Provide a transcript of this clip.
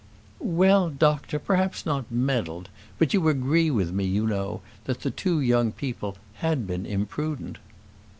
"Well, doctor, perhaps not meddled; but you agreed with me, you know, that the two young people had been imprudent."